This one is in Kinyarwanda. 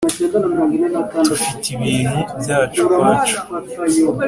tufite ibintu byacu ukwacu